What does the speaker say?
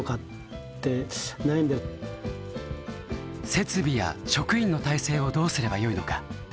設備や職員の体制をどうすればよいのか。